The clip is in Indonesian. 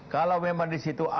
kalau memang di situ ada